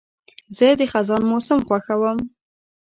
زه د خزان موسم خوښوم.